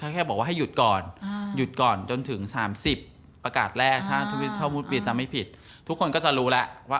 ตอนนั้นหยุดก่อนจนถึง๓๐ประกาศแรกถ้าที่สมมติจะไม่ผิดทุบคนจะรู้แล้วว่า